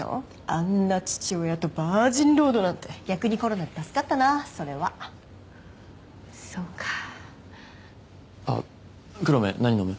あんな父親とバージンロードなんて逆にコロナで助かったなそれはそうかあっ黒目何飲む？